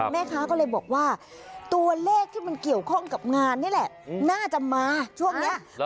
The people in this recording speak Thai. แม่ค้าก็เลยบอกว่าตัวเลขที่มันเกี่ยวข้องกับงานนี่แหละน่าจะมาช่วงนี้